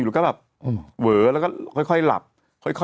มีสารตั้งต้นเนี่ยคือยาเคเนี่ยใช่ไหมคะ